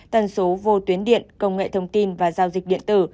tần số vô tuyến điện công nghệ thông tin và giao dịch điện tử